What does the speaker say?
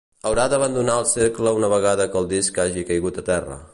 Haurà d'abandonar el cercle una vegada que el disc hagi caigut a terra.